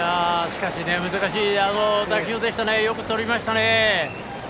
しかし難しい打球でしたがよくとりましたね。